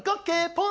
ポン！